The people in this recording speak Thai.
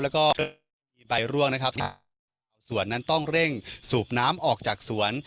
แล้วก็มีใบร่วงนะครับที่ชาวสวนนั้นต้องเร่งสูบน้ำออกจากสวน